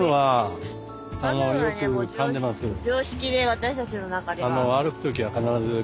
常識で私たちの中では。